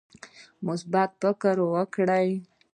مثبت فکر وکړئ